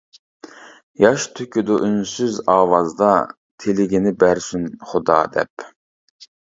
ياش تۆكىدۇ ئۈنسىز ئاۋازدا تىلىگىنى بەرسۇن خۇدا دەپ.